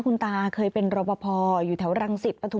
คุณตาเคยเป็นรบพออยู่แถวรังสิตปทุมธานีค่ะ